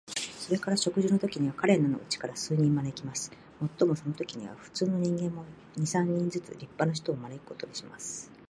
それから食事のときには、彼等のうちから数人招きます。もっともそのときには、普通の人間も、二三人ずつ立派な人を招くことにします。